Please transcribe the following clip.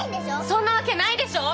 「そんなわけないでしょ！」